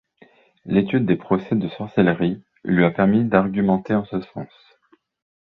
L'étude des procès de sorcellerie lui a permis d'argumenter en ce sens.